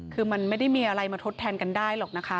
คือมันไม่ได้มีอะไรมาทดแทนกันได้หรอกนะคะ